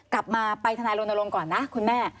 กลับมาไปทนายรณรงค์ก่อนนะคุณแม่